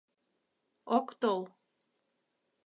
— Ок тол.